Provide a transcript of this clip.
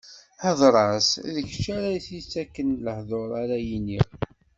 Hdeṛ-as, d kečč ara s-ittaken lehduṛ ara yini.